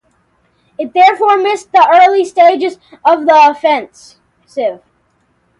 It therefore missed the early stages of the offensive.